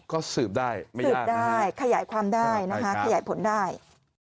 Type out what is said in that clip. ก็สืบได้ไม่สืบได้ขยายความได้นะคะขยายผลได้